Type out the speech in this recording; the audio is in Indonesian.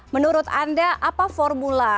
menurut anda apa formulasi